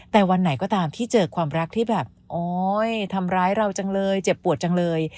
แต่วันไหนก็ตามที่เจอความรักที่แบบโอ๊ยทำร้ายเราจังเลยเจ็บปวดจังเลย